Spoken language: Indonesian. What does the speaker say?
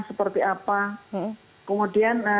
seperti apa kemudian